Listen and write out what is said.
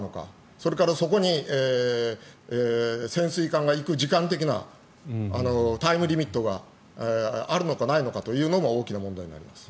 それから、そこに潜水艦が行く時間的なタイムリミットがあるのかないのかというのも大きな問題になります。